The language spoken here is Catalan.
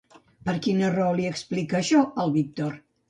Per quina raó li explica això al Víctor?